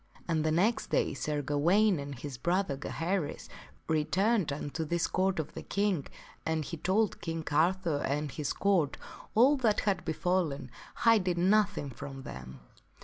And the next day Sir Gawaine and his brother, Gaheris, returned unto this Court of the King and he told King Arthur and his Court all that had befallen, hiding nothing from them.